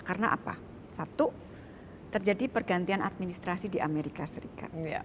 karena apa satu terjadi pergantian administrasi di amerika serikat